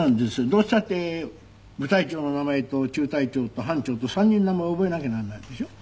どうしたって部隊長の名前と中隊長と班長と３人の名前覚えなきゃならないでしょ。